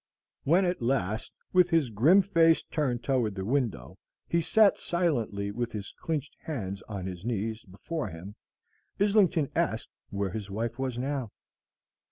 When at last, with his grim face turned toward the window, he sat silently with his clinched hands on his knees before him, Islington asked where his wife was now.